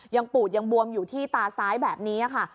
ปูดยังบวมอยู่ที่ตาซ้ายแบบนี้ค่ะ